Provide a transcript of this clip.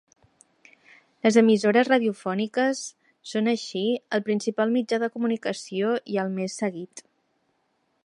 Les emissores radiofòniques són així el principal mitjà de comunicació i el més seguit.